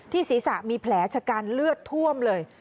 ศีรษะมีแผลชะกันเลือดท่วมเลย